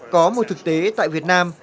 có một thực tế tại việt nam